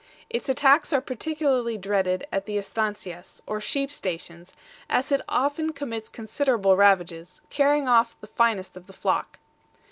Its attacks are particularly dreaded at the ESTANCIAS, or sheep stations, as it often commits considerable ravages, carrying off the finest of the flock.